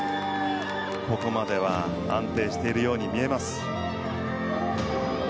ここまでは安定しているように見えます。